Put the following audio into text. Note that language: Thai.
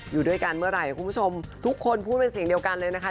อยู่ด้วยกันเมื่อไหร่คุณผู้ชมทุกคนพูดเป็นเสียงเดียวกันเลยนะคะ